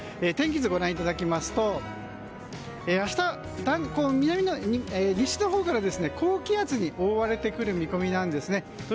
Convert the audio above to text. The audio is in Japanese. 天気図、ご覧いただきますと明日、西のほうから高気圧に覆われてくる見込みなんです。